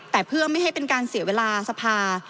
แต่เพื่อไม่ให้เป็นการเสียเวลาสภา